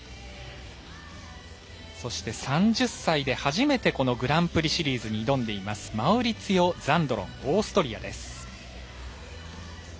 そして、３０歳で初めてグランプリシリーズに挑んでいますマウリツィオ・ザンドロンオーストリアです。